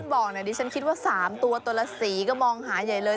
ตอนแรกที่คุณบอกฉันคิดว่า๓ตัวตัวละสีก็มองหายใหญ่เลย